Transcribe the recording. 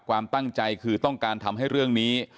ความตั้งใจคือต้องการทำให้เรื่องนี้